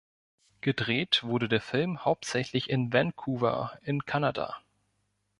Gedreht wurde der Film hauptsächlich in Vancouver in Kanada.